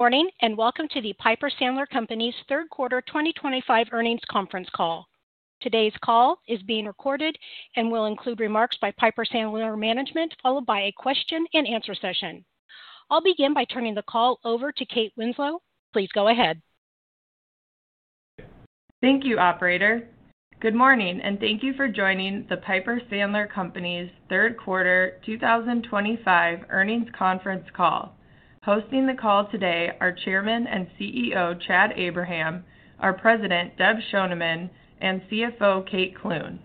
Morning, and welcome to the Piper Sandler Companies third quarter 2025 earnings conference call. Today's call is being recorded and will include remarks by Piper Sandler Management, followed by a question-and-answer session. I'll begin by turning the call over to Kate Clune. Please go ahead. Thank you, operator. Good morning, and thank you for joining the Piper Sandler Companies third quarter 2025 earnings conference call. Hosting the call today are Chairman and CEO Chad Abraham, our President Deb Schoneman, and CFO Kate Clune.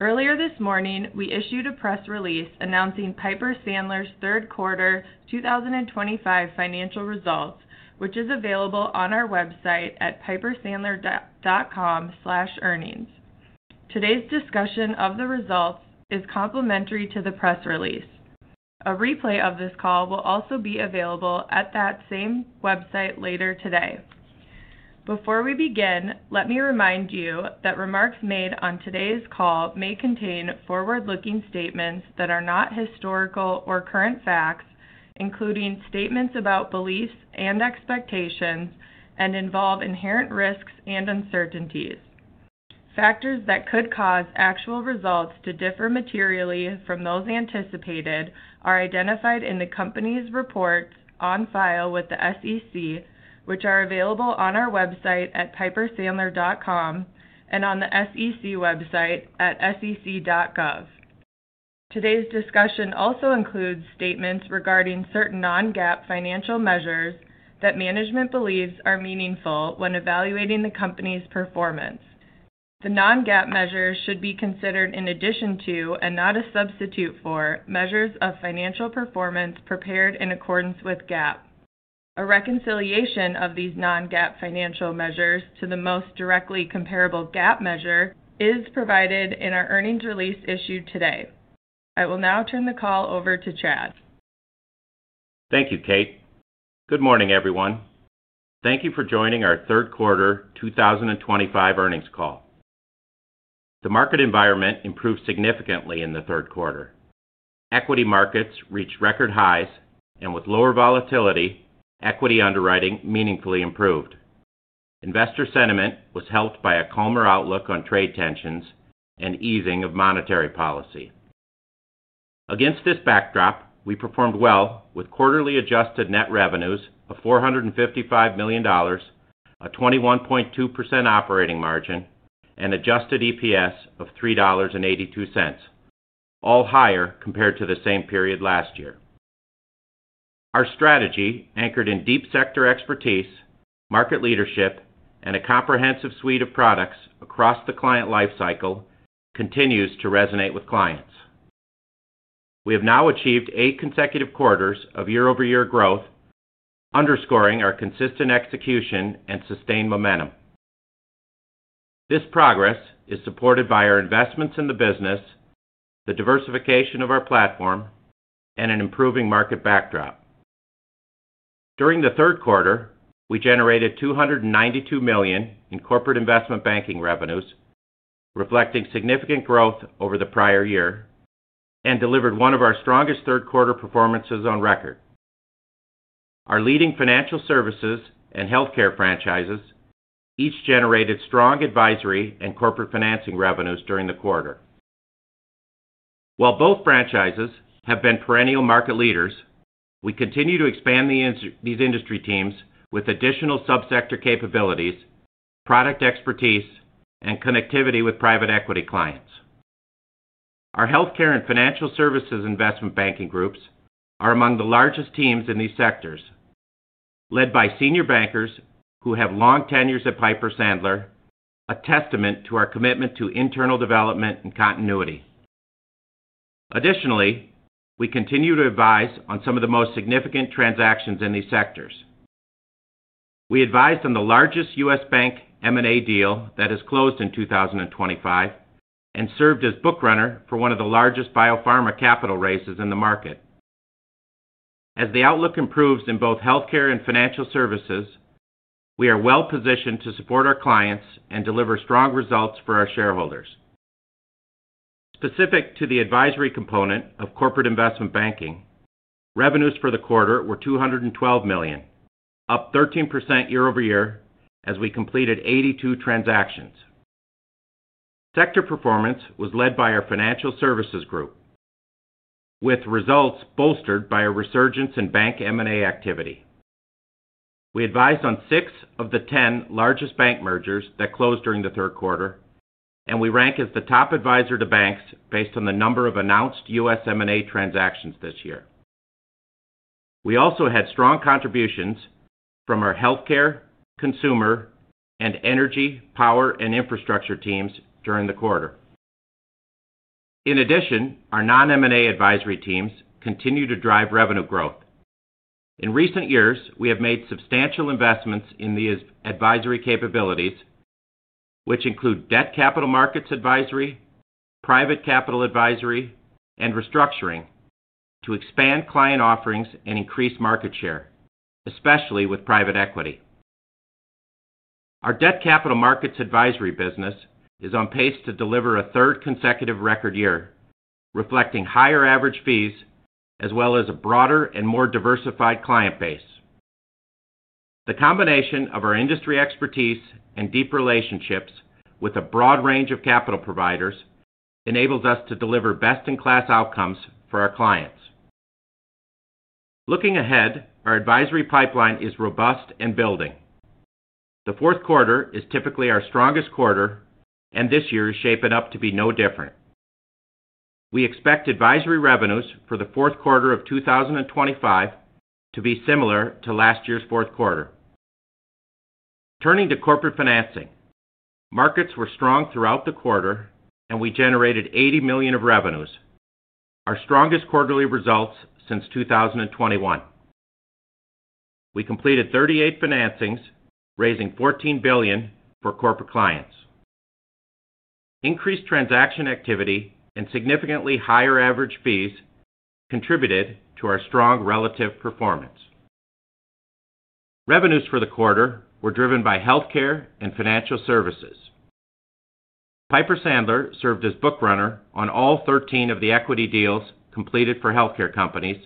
Earlier this morning, we issued a press release announcing Piper Sandler's third quarter 2025 financial results, which is available on our website at pipersandler.com/earnings. Today's discussion of the results is complimentary to the press release. A replay of this call will also be available at that same website later today. Before we begin, let me remind you that remarks made on today's call may contain forward-looking statements that are not historical or current facts, including statements about beliefs and expectations, and involve inherent risks and uncertainties. Factors that could cause actual results to differ materially from those anticipated are identified in the company's reports on file with the SEC, which are available on our website at pipersandler.com and on the SEC website at sec.gov. Today's discussion also includes statements regarding certain non-GAAP financial measures that management believes are meaningful when evaluating the company's performance. The non-GAAP measures should be considered in addition to, and not a substitute for, measures of financial performance prepared in accordance with GAAP. A reconciliation of these non-GAAP financial measures to the most directly comparable GAAP measure is provided in our earnings release issued today. I will now turn the call over to Chad. Thank you, Kate. Good morning, everyone. Thank you for joining our third quarter 2025 earnings call. The market environment improved significantly in the third quarter. Equity markets reached record highs, and with lower volatility, equity underwriting meaningfully improved. Investor sentiment was helped by a calmer outlook on trade tensions and easing of monetary policy. Against this backdrop, we performed well with quarterly adjusted net revenues of $455 million, a 21.2% operating margin, and adjusted EPS of $3.82, all higher compared to the same period last year. Our strategy, anchored in deep sector expertise, market leadership, and a comprehensive suite of products across the client lifecycle, continues to resonate with clients. We have now achieved eight consecutive quarters of year-over-year growth, underscoring our consistent execution and sustained momentum. This progress is supported by our investments in the business, the diversification of our platform, and an improving market backdrop. During the third quarter, we generated $292 million in corporate investment banking revenues, reflecting significant growth over the prior year, and delivered one of our strongest third quarter performances on record. Our leading financial services and healthcare franchises each generated strong advisory and corporate financing revenues during the quarter. While both franchises have been perennial market leaders, we continue to expand these industry teams with additional subsector capabilities, product expertise, and connectivity with private equity clients. Our healthcare and financial services investment banking groups are among the largest teams in these sectors, led by senior bankers who have long tenures at Piper Sandler, a testament to our commitment to internal development and continuity. Additionally, we continue to advise on some of the most significant transactions in these sectors. We advised on the largest U.S. bank M&A deal that has closed in 2025 and served as bookrunner for one of the largest biopharma capital raises in the market. As the outlook improves in both healthcare and financial services, we are well positioned to support our clients and deliver strong results for our shareholders. Specific to the advisory component of corporate investment banking, revenues for the quarter were $212 million, up 13% year-over-year as we completed 82 transactions. Sector performance was led by our financial services group. With results bolstered by a resurgence in bank M&A activity, we advised on six of the ten largest bank mergers that closed during the third quarter, and we rank as the top advisor to banks based on the number of announced U.S. M&A transactions this year. We also had strong contributions from our healthcare, consumer, and energy, power, and infrastructure teams during the quarter. In addition, our non-M&A advisory teams continue to drive revenue growth. In recent years, we have made substantial investments in the advisory capabilities, which include debt capital markets advisory, private capital advisory, and restructuring to expand client offerings and increase market share, especially with private equity. Our debt capital markets advisory business is on pace to deliver a third consecutive record year, reflecting higher average fees as well as a broader and more diversified client base. The combination of our industry expertise and deep relationships with a broad range of capital providers enables us to deliver best-in-class outcomes for our clients. Looking ahead, our advisory pipeline is robust and building. The fourth quarter is typically our strongest quarter, and this year is shaping up to be no different. We expect advisory revenues for the fourth quarter of 2025 to be similar to last year's fourth quarter. Turning to corporate financing, markets were strong throughout the quarter, and we generated $80 million of revenues, our strongest quarterly results since 2021. We completed 38 financings, raising $14 billion for corporate clients. Increased transaction activity and significantly higher average fees contributed to our strong relative performance. Revenues for the quarter were driven by healthcare and financial services. Piper Sandler served as bookrunner on all 13 of the equity deals completed for healthcare companies,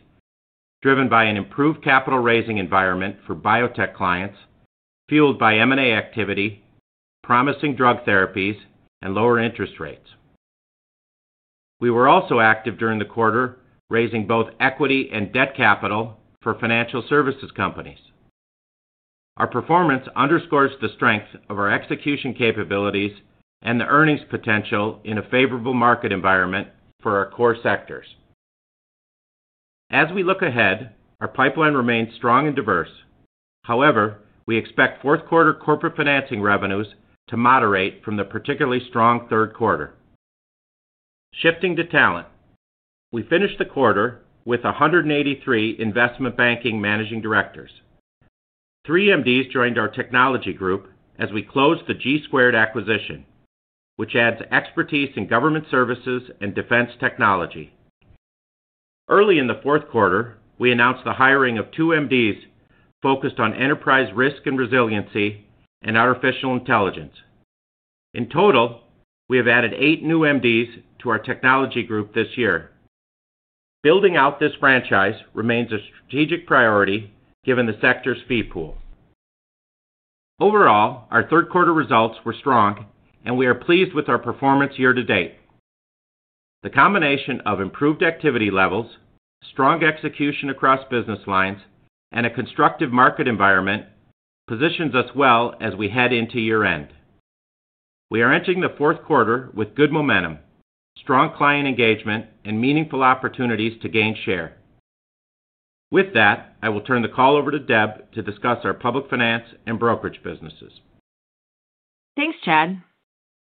driven by an improved capital raising environment for biotech clients, fueled by M&A activity, promising drug therapies, and lower interest rates. We were also active during the quarter, raising both equity and debt capital for financial services companies. Our performance underscores the strength of our execution capabilities and the earnings potential in a favorable market environment for our core sectors. As we look ahead, our pipeline remains strong and diverse. However, we expect fourth quarter corporate financing revenues to moderate from the particularly strong third quarter. Shifting to talent, we finished the quarter with 183 investment banking Managing Directors. Three MDs joined our technology group as we closed the G-Squared acquisition, which adds expertise in government services and defense technology. Early in the fourth quarter, we announced the hiring of two MDs focused on enterprise risk and resiliency and artificial intelligence. In total, we have added eight new MDs to our technology group this year. Building out this franchise remains a strategic priority given the sector's fee pool. Overall, our third quarter results were strong, and we are pleased with our performance year to date. The combination of improved activity levels, strong execution across business lines, and a constructive market environment positions us well as we head into year-end. We are entering the fourth quarter with good momentum, strong client engagement, and meaningful opportunities to gain share. With that, I will turn the call over to Deb to discuss our public finance and brokerage businesses. Thanks, Chad.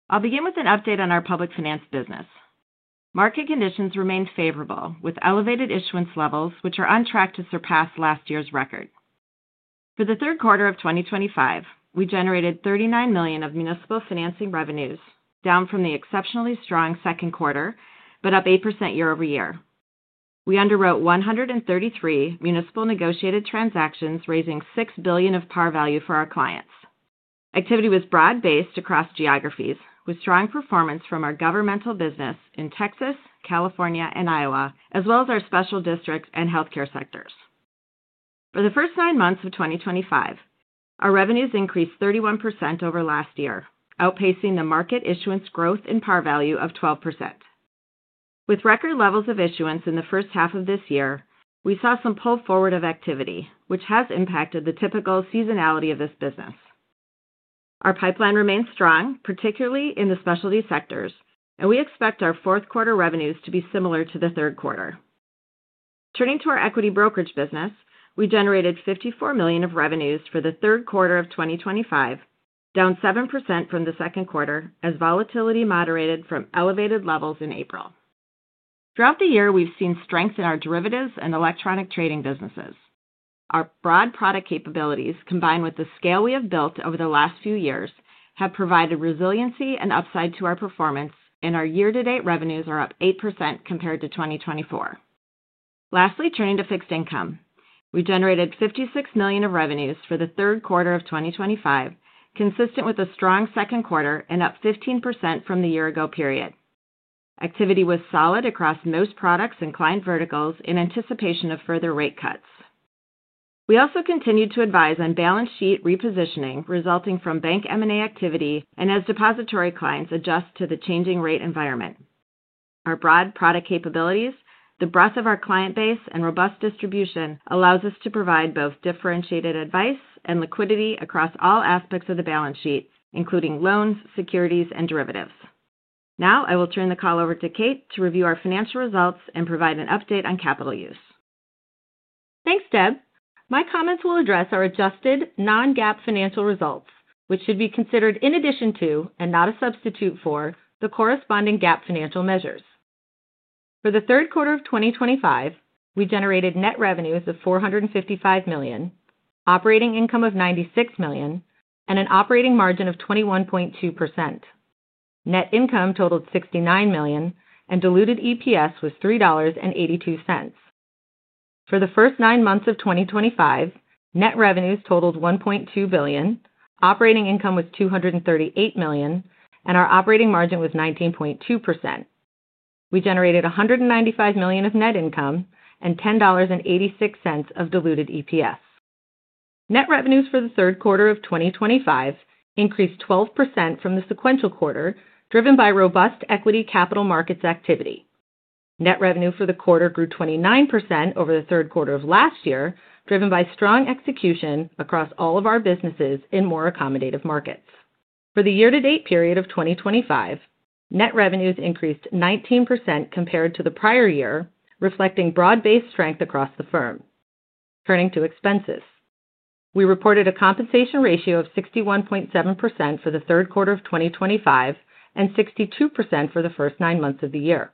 I'll begin with an update on our public finance business. Market conditions remained favorable, with elevated issuance levels, which are on track to surpass last year's record. For the third quarter of 2025, we generated $39 million of municipal financing revenues, down from the exceptionally strong second quarter, but up 8% year-over-year. We underwrote 133 municipal negotiated transactions, raising $6 billion of par value for our clients. Activity was broad-based across geographies, with strong performance from our governmental business in Texas, California, and Iowa, as well as our special districts and healthcare sectors. For the first nine months of 2025, our revenues increased 31% over last year, outpacing the market issuance growth in par value of 12%. With record levels of issuance in the first half of this year, we saw some pull forward of activity, which has impacted the typical seasonality of this business. Our pipeline remains strong, particularly in the specialty sectors, and we expect our fourth quarter revenues to be similar to the third quarter. Turning to our equity brokerage business, we generated $54 million of revenues for the third quarter of 2025, down 7% from the second quarter, as volatility moderated from elevated levels in April. Throughout the year, we've seen strength in our derivatives and electronic trading businesses. Our broad product capabilities, combined with the scale we have built over the last few years, have provided resiliency and upside to our performance, and our year-to-date revenues are up 8% compared to 2024. Lastly, turning to fixed income, we generated $56 million of revenues for the third quarter of 2025, consistent with a strong second quarter and up 15% from the year-ago period. Activity was solid across most products and client verticals in anticipation of further rate cuts. We also continued to advise on balance sheet repositioning resulting from bank M&A activity and as depository clients adjust to the changing rate environment. Our broad product capabilities, the breadth of our client base, and robust distribution allow us to provide both differentiated advice and liquidity across all aspects of the balance sheet, including loans, securities, and derivatives. Now, I will turn the call over to Kate to review our financial results and provide an update on capital use. Thanks, Deb. My comments will address our adjusted non-GAAP financial results, which should be considered in addition to, and not a substitute for, the corresponding GAAP financial measures. For the third quarter of 2025, we generated net revenues of $455 million, operating income of $96 million, and an operating margin of 21.2%. Net income totaled $69 million, and diluted EPS was $3.82. For the first nine months of 2025, net revenues totaled $1.2 billion, operating income was $238 million, and our operating margin was 19.2%. We generated $195 million of net income and $10.86 of diluted EPS. Net revenues for the third quarter of 2025 increased 12% from the sequential quarter, driven by robust equity capital markets activity. Net revenue for the quarter grew 29% over the third quarter of last year, driven by strong execution across all of our businesses in more accommodative markets. For the year-to-date period of 2025, net revenues increased 19% compared to the prior year, reflecting broad-based strength across the firm. Turning to expenses, we reported a compensation ratio of 61.7% for the third quarter of 2025 and 62% for the first nine months of the year.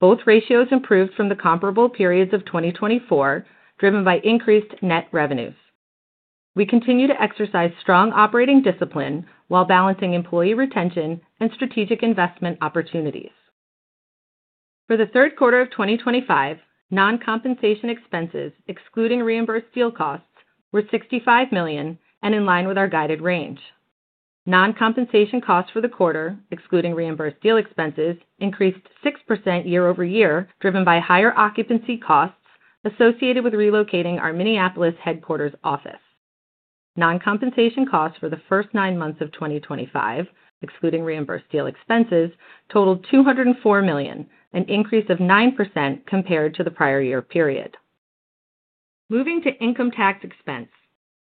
Both ratios improved from the comparable periods of 2024, driven by increased net revenues. We continue to exercise strong operating discipline while balancing employee retention and strategic investment opportunities. For the third quarter of 2025, non-compensation expenses, excluding reimbursed deal costs, were $65 million and in line with our guided range. Non-compensation costs for the quarter, excluding reimbursed deal expenses, increased 6% year-over-year, driven by higher occupancy costs associated with relocating our Minneapolis headquarters office. Non-compensation costs for the first nine months of 2025, excluding reimbursed deal expenses, totaled $204 million, an increase of 9% compared to the prior year period. Moving to income tax expense,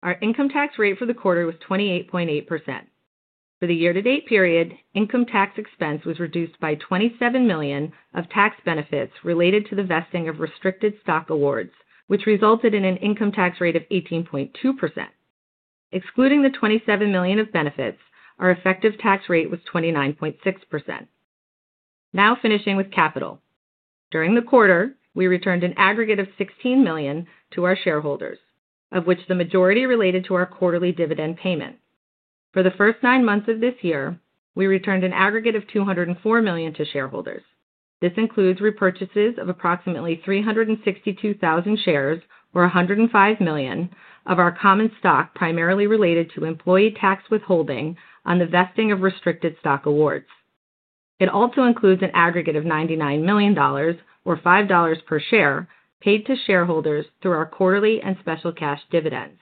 our income tax rate for the quarter was 28.8%. For the year-to-date period, income tax expense was reduced by $27 million of tax benefits related to the vesting of restricted stock awards, which resulted in an income tax rate of 18.2%. Excluding the $27 million of benefits, our effective tax rate was 29.6%. Now finishing with capital, during the quarter, we returned an aggregate of $16 million to our shareholders, of which the majority related to our quarterly dividend payment. For the first nine months of this year, we returned an aggregate of $204 million to shareholders. This includes repurchases of approximately 362,000 shares, or $105 million, of our common stock primarily related to employee tax withholding on the vesting of restricted stock awards. It also includes an aggregate of $99 million, or $5 per share, paid to shareholders through our quarterly and special cash dividends.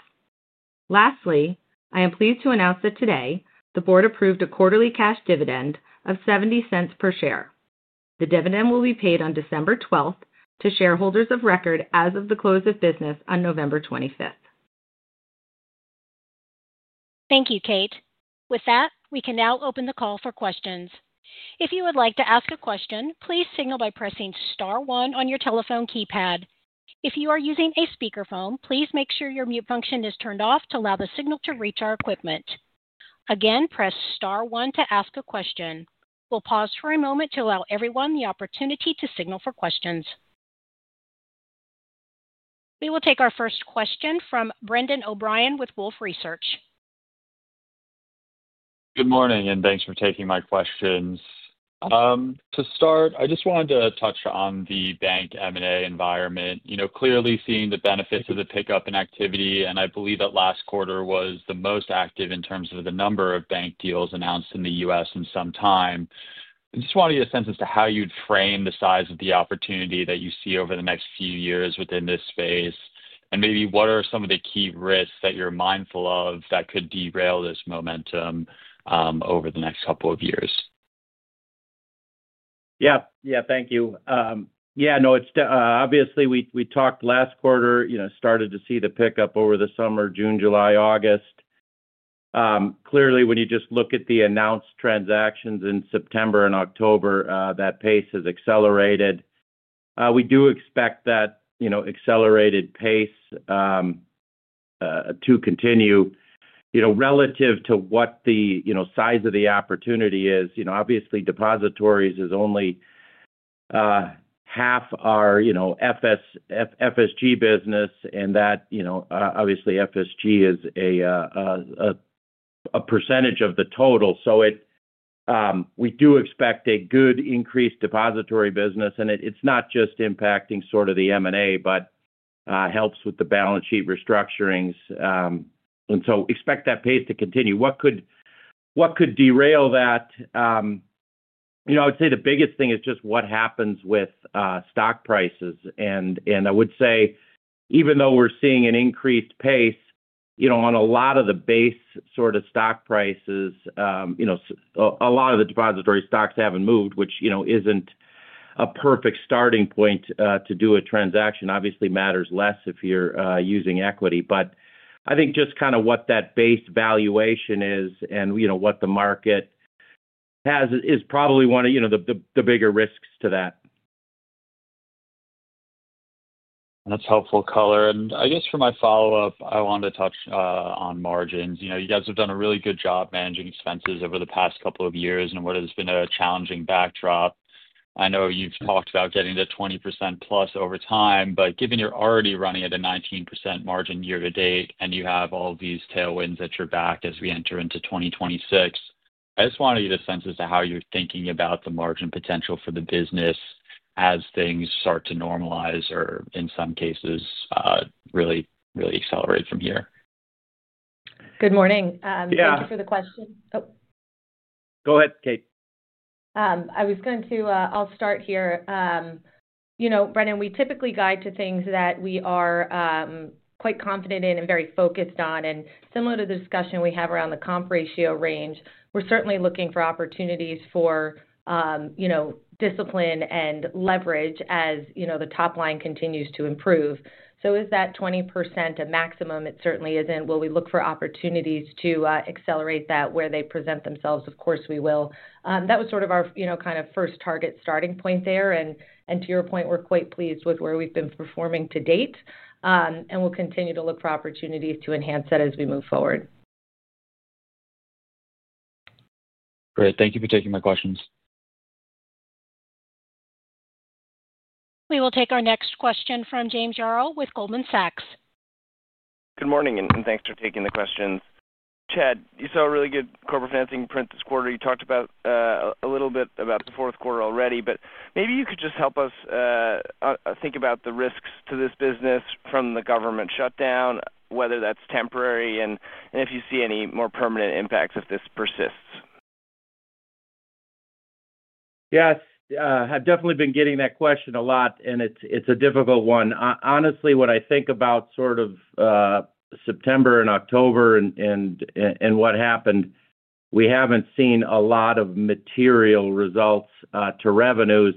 Lastly, I am pleased to announce that today, the board approved a quarterly cash dividend of $0.70 per share. The dividend will be paid on December 12 to shareholders of record as of the close of business on November 25. Thank you, Kate. With that, we can now open the call for questions. If you would like to ask a question, please signal by pressing star one on your telephone keypad. If you are using a speakerphone, please make sure your mute function is turned off to allow the signal to reach our equipment. Again, press star one to ask a question. We'll pause for a moment to allow everyone the opportunity to signal for questions. We will take our first question from Brendan O'Brien with Wolfe Research. Good morning, and thanks for taking my questions. To start, I just wanted to touch on the bank M&A environment. Clearly seeing the benefits of the pickup in activity, and I believe that last quarter was the most active in terms of the number of bank deals announced in the U.S. in some time. I just wanted to get a sense as to how you'd frame the size of the opportunity that you see over the next few years within this space, and maybe what are some of the key risks that you're mindful of that could derail this momentum over the next couple of years. Thank you. Obviously, we talked last quarter, started to see the pickup over the summer, June, July, August. Clearly, when you just look at the announced transactions in September and October, that pace has accelerated. We do expect that accelerated pace to continue. Relative to what the size of the opportunity is, obviously, depositories is only half our FSG business, and obviously FSG is a percentage of the total. We do expect a good increased depository business, and it's not just impacting sort of the M&A, but helps with the balance sheet restructurings and expect that pace to continue. What could derail that? I would say the biggest thing is just what happens with stock prices. I would say, even though we're seeing an increased pace on a lot of the base sort of stock prices, a lot of the depository stocks haven't moved, which isn't a perfect starting point to do a transaction. It matters less if you're using equity, but I think just kind of what that base valuation is and what the market has is probably one of the bigger risks to that. That's helpful, Kate. For my follow-up, I wanted to touch on margins. You guys have done a really good job managing expenses over the past couple of years in what has been a challenging backdrop. I know you've talked about getting to 20%+ over time, but given you're already running at a 19% margin year-to-date and you have all of these tailwinds at your back as we enter into 2026, I just wanted to get a sense as to how you're thinking about the margin potential for the business as things start to normalize or in some cases really, really accelerate from here. Good morning. Thank you for the question. Go ahead, Kate. I'll start here. Brendan, we typically guide to things that we are quite confident in and very focused on. Similar to the discussion we have around the comp ratio range, we're certainly looking for opportunities for discipline and leverage as the top line continues to improve. Is that 20% a maximum? It certainly isn't. Will we look for opportunities to accelerate that where they present themselves? Of course, we will. That was sort of our kind of first target starting point there. To your point, we're quite pleased with where we've been performing to date, and we'll continue to look for opportunities to enhance that as we move forward. Great. Thank you for taking my questions. We will take our next question from James Yaro with Goldman Sachs. Good morning, and thanks for taking the questions. Chad, you saw a really good corporate financing print this quarter. You talked a little bit about the fourth quarter already, but maybe you could just help us think about the risks to this business from the government shutdown, whether that's temporary and if you see any more permanent impacts if this persists. Yes, I've definitely been getting that question a lot, and it's a difficult one. Honestly, when I think about September and October and what happened, we haven't seen a lot of material results to revenues.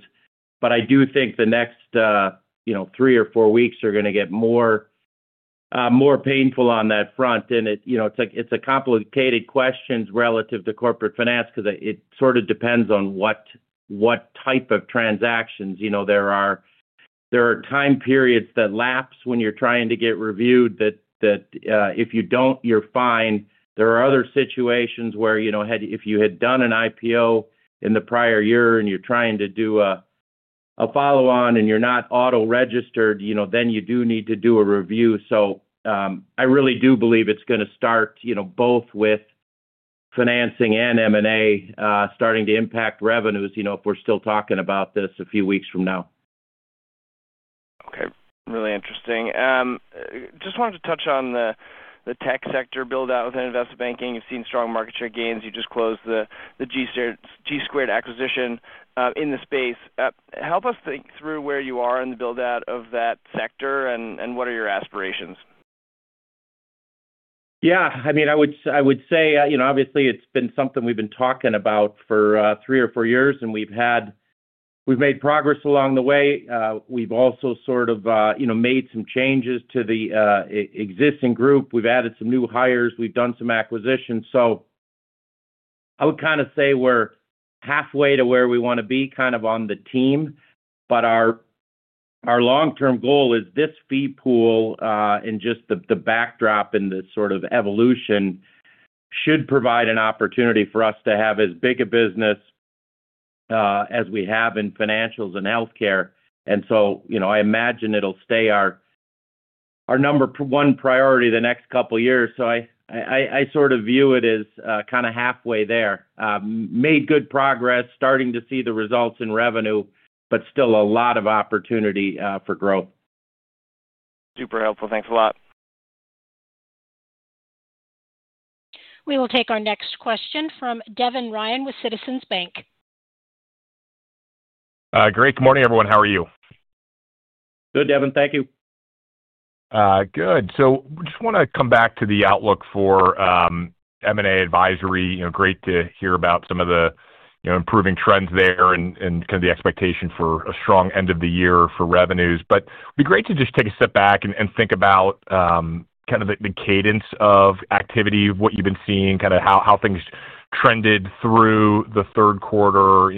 I do think the next three or four weeks are going to get more painful on that front. It's a complicated question relative to corporate finance because it depends on what type of transactions there are. There are time periods that lapse when you're trying to get reviewed that if you don't, you're fine. There are other situations where if you had done an IPO in the prior year and you're trying to do a follow-on and you're not auto-registered, then you do need to do a review. I really do believe it's going to start both with financing and M&A starting to impact revenues if we're still talking about this a few weeks from now. Okay. Really interesting. Just wanted to touch on the tech sector build-out within investment banking. You've seen strong market share gains. You just closed the G-Squared acquisition in the space. Help us think through where you are in the build-out of that sector and what are your aspirations. Yeah. I mean, I would say, obviously, it's been something we've been talking about for three or four years, and we've made progress along the way. We've also made some changes to the existing group. We've added some new hires. We've done some acquisitions. I would kind of say we're halfway to where we want to be on the team. Our long-term goal is this fee pool, and just the backdrop and the sort of evolution should provide an opportunity for us to have as big a business as we have in financials and healthcare. I imagine it'll stay our number one priority the next couple of years. I sort of view it as halfway there. Made good progress, starting to see the results in revenue, but still a lot of opportunity for growth. Super helpful. Thanks a lot. We will take our next question from Devin Ryan with Citizens. Great. Good morning, everyone. How are you? Good, Devin. Thank you. Good. We just want to come back to the outlook for M&A advisory. Great to hear about some of the improving trends there and the expectation for a strong end of the year for revenues. It'd be great to just take a step back and think about the cadence of activity, what you've been seeing, how things trended through the third quarter,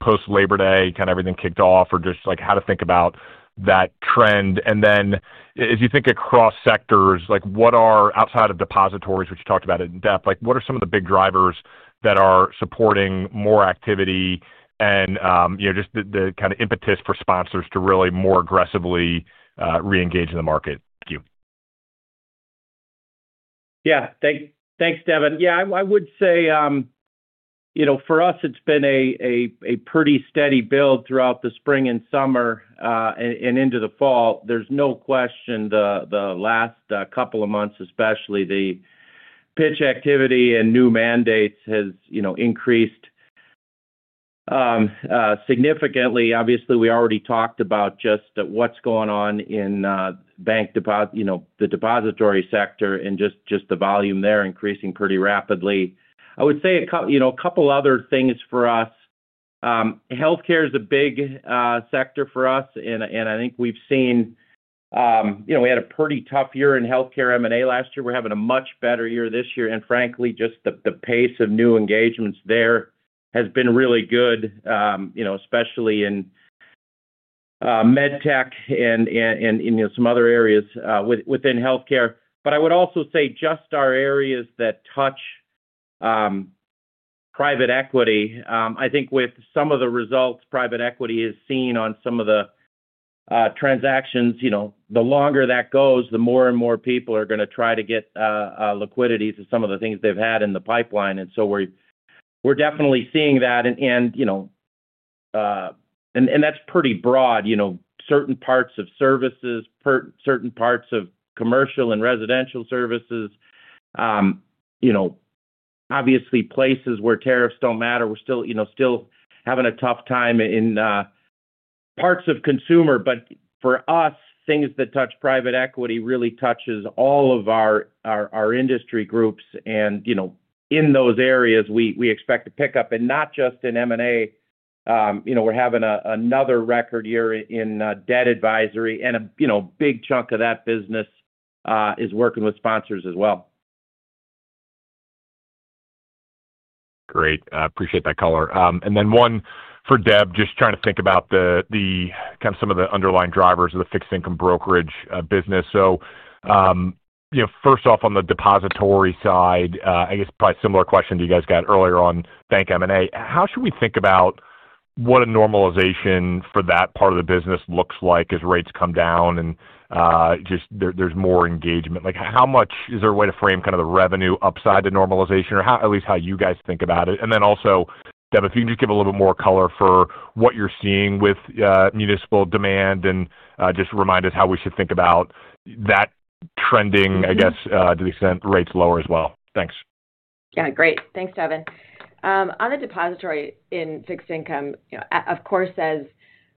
post-Labor Day, when everything kicked off, or just how to think about that trend. As you think across sectors, outside of depositories, which you talked about in depth, what are some of the big drivers that are supporting more activity and the impetus for sponsors to really more aggressively re-engage in the market? Thank you. Yeah. Thanks, Devin. I would say for us, it's been a pretty steady build throughout the spring and summer and into the fall. There's no question the last couple of months, especially the pitch activity and new mandates, has increased significantly. Obviously, we already talked about just what's going on in the depository sector and just the volume there increasing pretty rapidly. I would say a couple of other things for us. Healthcare is a big sector for us, and I think we've seen we had a pretty tough year in healthcare M&A last year. We're having a much better year this year, and frankly, just the pace of new engagements there has been really good, especially in medtech and some other areas within healthcare. I would also say just our areas that touch private equity. I think with some of the results private equity is seeing on some of the transactions, the longer that goes, the more and more people are going to try to get liquidity to some of the things they've had in the pipeline. We're definitely seeing that. That's pretty broad. Certain parts of services, certain parts of commercial and residential services, obviously, places where tariffs don't matter. We're still having a tough time in parts of consumer. For us, things that touch private equity really touches all of our industry groups, and in those areas, we expect a pickup. Not just in M&A. We're having another record year in debt advisory, and a big chunk of that business is working with sponsors as well. Great. Appreciate that, color. One for Deb, just trying to think about some of the underlying drivers of the fixed income brokerage business. On the depository side, I guess probably a similar question that you guys got earlier on bank M&A. How should we think about what a normalization for that part of the business looks like as rates come down and there's more engagement? Is there a way to frame the revenue upside to normalization, or at least how you guys think about it? Also, Deb, if you can just give a little bit more color for what you're seeing with municipal demand and just remind us how we should think about that trending, I guess, to the extent rates lower as well. Thanks. Yeah. Great. Thanks, Devin. On the depository and fixed income, of course, as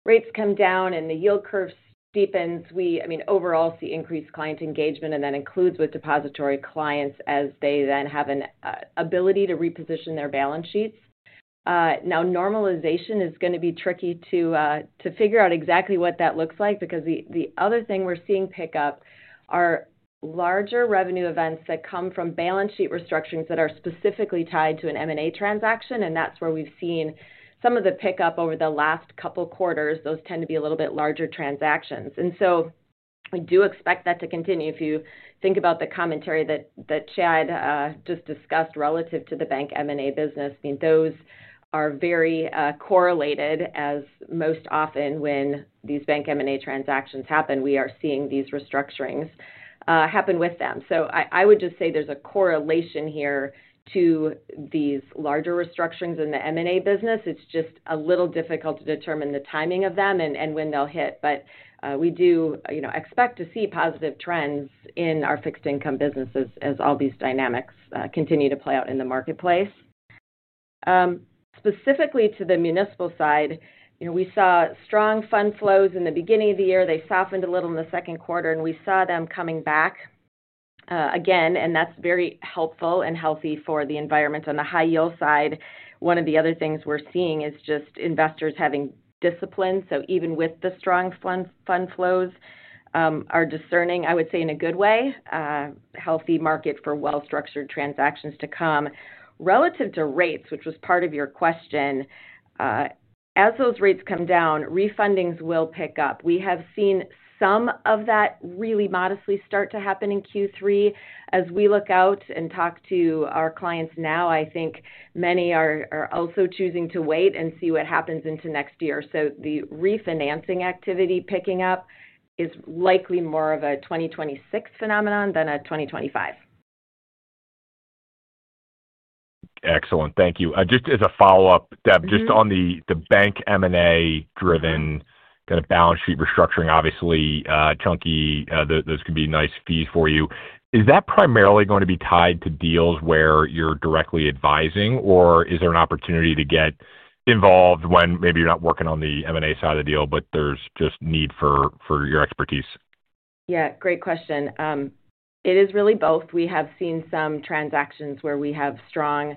rates come down and the yield curve steepens, we, I mean, overall see increased client engagement, and that includes with depository clients as they then have an ability to reposition their balance sheets. Normalization is going to be tricky to figure out exactly what that looks like because the other thing we're seeing pick up are larger revenue events that come from balance sheet restructurings that are specifically tied to an M&A transaction. That's where we've seen some of the pickup over the last couple of quarters. Those tend to be a little bit larger transactions, and I do expect that to continue. If you think about the commentary that Chad just discussed relative to the bank M&A business, those are very correlated as most often when these bank M&A transactions happen, we are seeing these restructurings happen with them. I would just say there's a correlation here to these larger restructurings in the M&A business. It's just a little difficult to determine the timing of them and when they'll hit. We do expect to see positive trends in our fixed income businesses as all these dynamics continue to play out in the marketplace. Specifically to the municipal side, we saw strong fund flows in the beginning of the year. They softened a little in the second quarter, and we saw them coming back again. That's very helpful and healthy for the environment. On the high-yield side, one of the other things we're seeing is just investors having discipline. Even with the strong fund flows, investors are discerning, I would say, in a good way. Healthy market for well-structured transactions to come. Relative to rates, which was part of your question, as those rates come down, refundings will pick up. We have seen some of that really modestly start to happen in Q3. As we look out and talk to our clients now, I think many are also choosing to wait and see what happens into next year. The refinancing activity picking up is likely more of a 2026 phenomenon than a 2025. Excellent. Thank you. Just as a follow-up, Deb, just on the bank M&A-driven kind of balance sheet restructuring, obviously, chunky, those can be nice fees for you. Is that primarily going to be tied to deals where you're directly advising, or is there an opportunity to get involved when maybe you're not working on the M&A side of the deal, but there's just need for your expertise? Great question. It is really both. We have seen some transactions where we have strong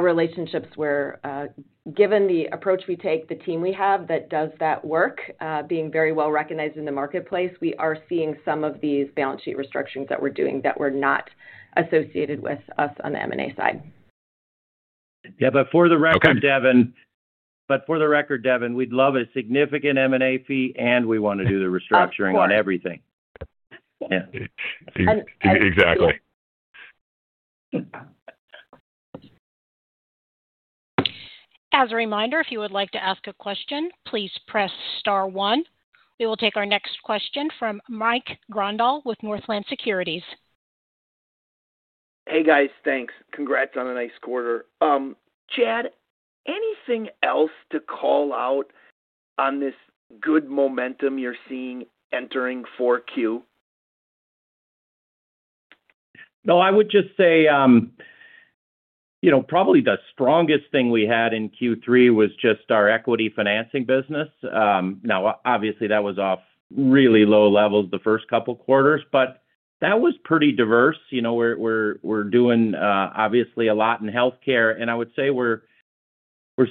relationships where, given the approach we take, the team we have that does that work, being very well recognized in the marketplace, we are seeing some of these balance sheet restructurings that we're doing that were not associated with us on the M&A side. For the record, Devin, we'd love a significant M&A fee, and we want to do the restructuring on everything. Exactly. As a reminder, if you would like to ask a question, please press star one. We will take our next question from Mike Gundahl with Northland Securities. Hey, guys. Thanks. Congrats on a nice quarter. Chad, anything else to call out on this good momentum you're seeing entering 4Q? No, I would just say probably the strongest thing we had in Q3 was just our equity financing business. Now, obviously, that was off really low levels the first couple of quarters, but that was pretty diverse. We're doing, obviously, a lot in healthcare. I would say we're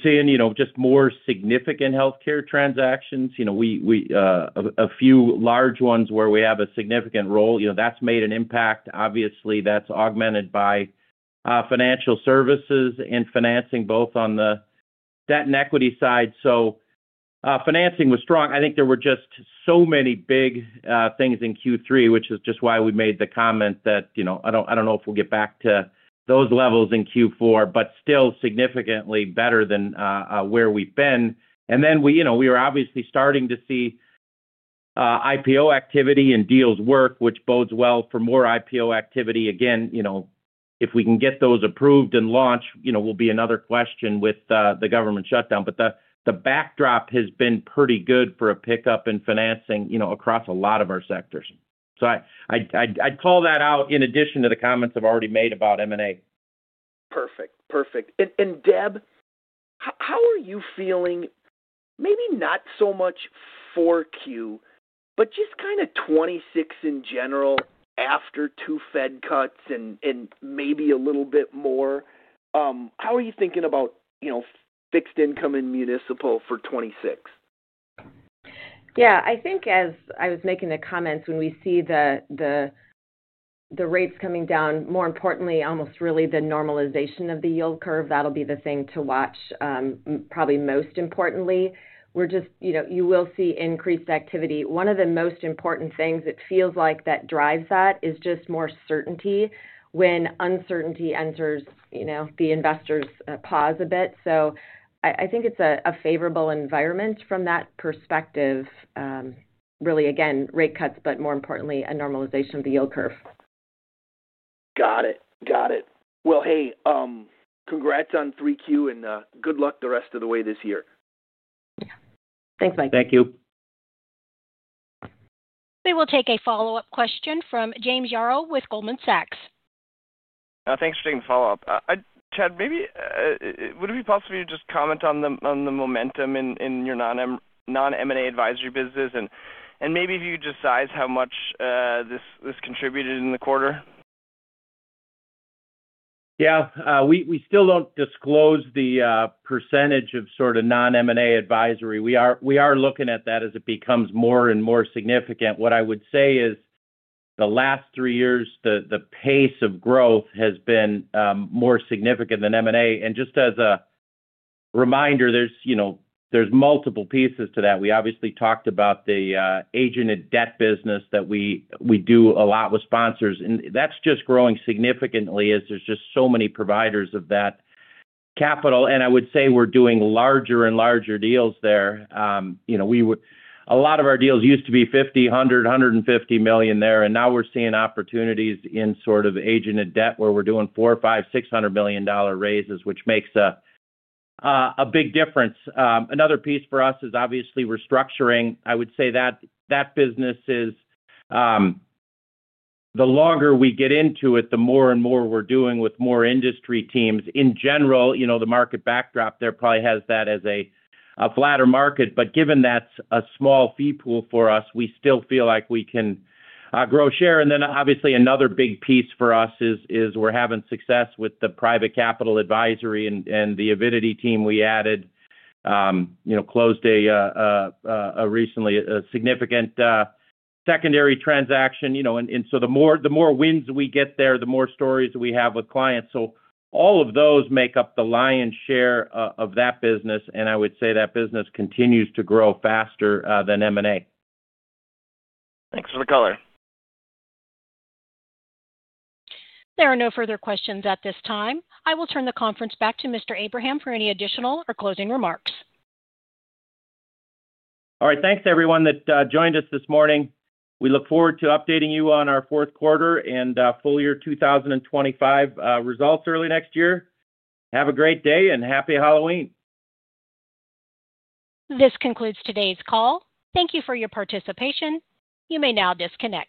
seeing just more significant healthcare transactions, a few large ones where we have a significant role. That's made an impact. Obviously, that's augmented by financial services and financing both on the debt and equity side. Financing was strong. I think there were just so many big things in Q3, which is just why we made the comment that I don't know if we'll get back to those levels in Q4, but still significantly better than where we've been. We were obviously starting to see IPO activity and deals work, which bodes well for more IPO activity. Again, if we can get those approved and launched, will be another question with the government shutdown. The backdrop has been pretty good for a pickup in financing across a lot of our sectors. I'd call that out in addition to the comments I've already made about M&A. Perfect. Perfect. Deb, how are you feeling, maybe not so much 4Q, but just kind of 2026 in general after two Fed cuts and maybe a little bit more? How are you thinking about fixed income and municipal for 2026? Yeah. I think as I was making the comments, when we see the rates coming down, more importantly, almost really the normalization of the yield curve, that'll be the thing to watch probably most importantly. You will see increased activity. One of the most important things it feels like that drives that is just more certainty. When uncertainty enters, the investors pause a bit. I think it's a favorable environment from that perspective. Really, again, rate cuts, but more importantly, a normalization of the yield curve. Got it. Got it. Congrats on 3Q, and good luck the rest of the way this year. Thanks, Mike. Thank you. We will take a follow-up question from James Yaro with Goldman Sachs. Thanks for taking the follow-up. Chad, would it be possible for you to just comment on the momentum in your non-M&A advisory business, and maybe if you could just size how much this contributed in the quarter? Yeah. We still don't disclose the % of sort of non-M&A advisory. We are looking at that as it becomes more and more significant. What I would say is, the last three years, the pace of growth has been more significant than M&A. Just as a reminder, there's multiple pieces to that. We obviously talked about the agented debt business that we do a lot with sponsors, and that's just growing significantly as there's just so many providers of that capital. I would say we're doing larger and larger deals there. A lot of our deals used to be $50 million, $100 million, $150 million there, and now we're seeing opportunities in sort of agented debt where we're doing $400 million, $500 million, $600 million raises, which makes a big difference. Another piece for us is obviously restructuring. I would say that that business is, the longer we get into it, the more and more we're doing with more industry teams. In general, the market backdrop there probably has that as a flatter market. Given that's a small fee pool for us, we still feel like we can grow share. Obviously, another big piece for us is we're having success with the private capital advisory and the Avidity team we added. Closed a significant secondary transaction, and the more wins we get there, the more stories we have with clients. All of those make up the lion's share of that business, and I would say that business continues to grow faster than M&A. Thanks for the color. There are no further questions at this time. I will turn the conference back to Mr. Abraham for any additional or closing remarks. All right. Thanks, everyone that joined us this morning. We look forward to updating you on our fourth quarter and full year 2025 results early next year. Have a great day and happy Halloween. This concludes today's call. Thank you for your participation. You may now disconnect.